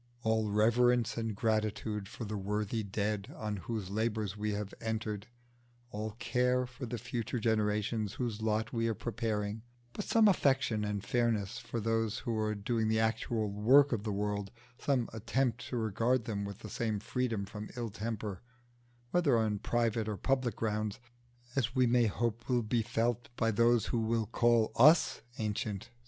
All reverence and gratitude for the worthy Dead on whose labours we have entered, all care for the future generations whose lot we are preparing; but some affection and fairness for those who are doing the actual work of the world, some attempt to regard them with the same freedom from ill temper, whether on private or public grounds, as we may hope will be felt by those who will call us ancient!